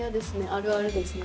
あるあるですね。